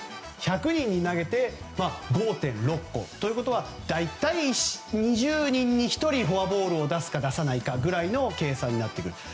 １００人に投げて５．６個ということは大体２０人に１人フォアボールを出すか出さないかという計算になってくる。